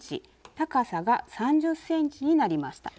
高さが３０ｃｍになりました。